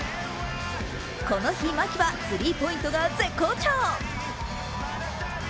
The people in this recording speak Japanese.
この日、牧はスリーポイントが絶好調。